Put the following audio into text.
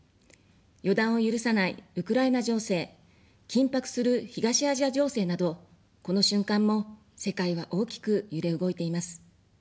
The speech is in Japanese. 予断を許さないウクライナ情勢、緊迫する東アジア情勢など、この瞬間も世界は大きく揺れ動いています。